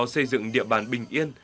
xây dựng địa bàn bình yên